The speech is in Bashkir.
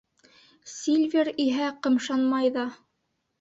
Сильвер иһә ҡымшанмай ҙа.